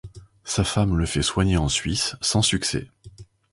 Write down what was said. Sa femme le fait soigner en Suisse, sans succès.